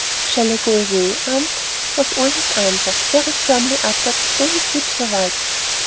"Shall I go away, Aunt?" was all his answer, very firmly uttered, though his lips were white.